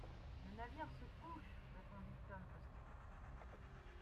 Le navire se couche! répondit Tom Austin.